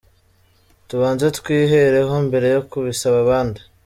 Tubanze twihereho mbere yo kubisaba abandi.